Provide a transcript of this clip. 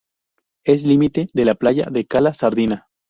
Es límite de la playa de Cala Sardina.